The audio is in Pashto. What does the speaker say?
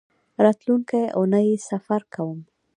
راتلونکۍ اونۍ سفر کوم